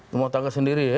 memotakkan sendiri ya